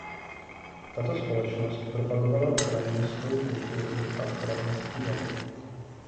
Tato společnost propagovala ukrajinskou kulturu a ukrajinský jazyk.